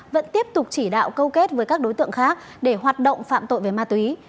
vẫn tiếp tục chỉ đạo câu kết với các đối tượng khác để hoạt động phạm tội về ma túy